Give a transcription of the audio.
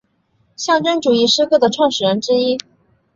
象征主义诗歌的创始人之一。